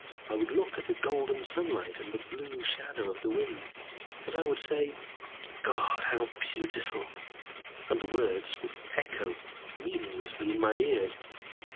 I would look at the golden sunlight and the blue shadow of the wind, and I would say, "God! How beautiful!" And the words would echo meaninglessly in my ears.